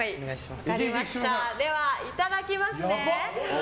では、いただきますね。